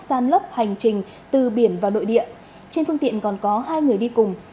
san lấp hành trình từ biển và nội địa trên phương tiện còn có hai người đi cùng